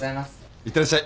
いってらっしゃい。